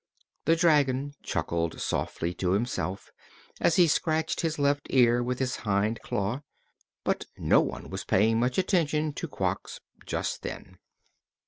The dragon chuckled softly to himself as he scratched his left ear with his hind claw, but no one was paying much attention to Quox just then.